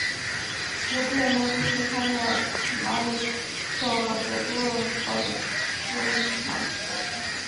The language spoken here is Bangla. যদিও নদী সেখানে এক মাইল চওড়া, তবু কর্দমাক্ত।